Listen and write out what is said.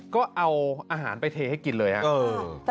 ก็เอาอาหารไปเทให้กินเลยครับ